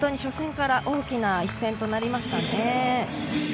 初戦から大きな一戦となりましたね。